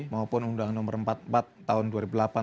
maupun undang nomor empat puluh empat tahun dua ribu delapan